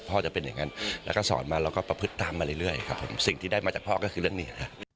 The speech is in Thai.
จะเป็นอย่างนั้นแล้วก็สอนมาเราก็ประพฤติตามมาเรื่อยครับผมสิ่งที่ได้มาจากพ่อก็คือเรื่องนี้